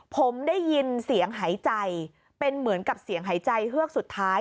ผมได้ยินเสียงหายใจเป็นเหมือนกับเสียงหายใจเฮือกสุดท้าย